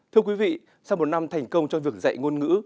thưa quý vị sau một năm thành công trong việc dạy ngôn ngữ